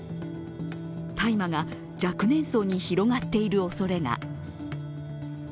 大麻が若年層に広がっているおそれが。